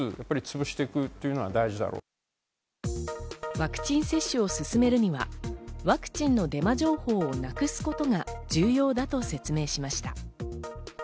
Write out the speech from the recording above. ワクチン接種を進めるには、ワクチンのデマ情報をなくすことが重要だと説明しました。